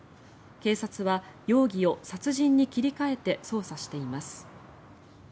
警察は、容疑を殺人に切り替えて捜査しています。